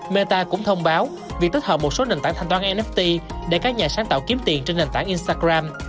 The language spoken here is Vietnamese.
meta cũng thông báo việc tích hợp một số nền tảng thanh toán eft để các nhà sáng tạo kiếm tiền trên nền tảng instagram